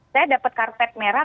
saya dapat kartet merah